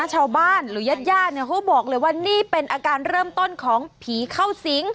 ชาวบ้านหรือญาติญาติเนี่ยเขาบอกเลยว่านี่เป็นอาการเริ่มต้นของผีเข้าสิง